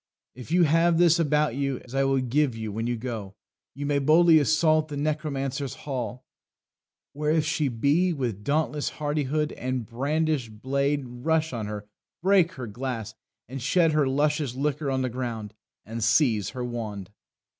If you have this about you (As I will give you when you go) you may Boldly assault the necromancer's hall: Where if she be, with dauntless hardihood, And brandished blade, rush on her, break her glass, And shed her luscious liquor on the ground, And seize her wand."